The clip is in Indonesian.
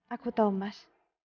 aku tahu mas